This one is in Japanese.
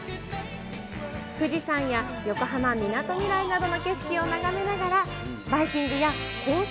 富士山や横浜みなとみらいの景色を眺めながら、バイキングやコース